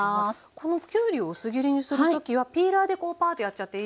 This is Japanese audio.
このきゅうりを薄切りにするときはピーラーでこうパーッとやっちゃっていいですか？